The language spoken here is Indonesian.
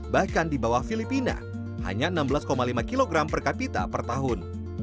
bahkan di bawah filipina hanya enam belas lima kg per kapita per tahun